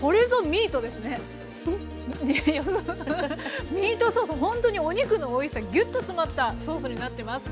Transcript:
ミートソースほんとにお肉のおいしさギュッと詰まったソースになってます。